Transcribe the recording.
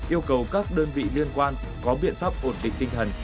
yêu cầu các đơn vị liên quan có biện pháp ổn định tinh thần